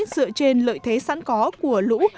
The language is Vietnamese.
dựa trên lợi thế sẵn có của lũ